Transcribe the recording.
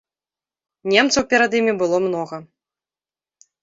Немцаў перад імі было многа.